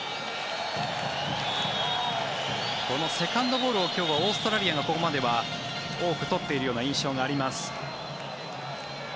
このセカンドボールを今日はオーストラリアがここまでは多く取っているような印象があります。